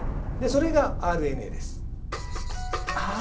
それがＲＮＡです。